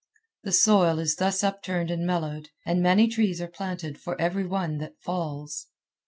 The soil is thus upturned and mellowed, and many trees are planted for every one that falls.